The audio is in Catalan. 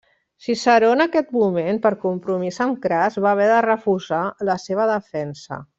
Ciceró en aquest moment, per compromís amb Cras, va haver de refusar la seva defensa.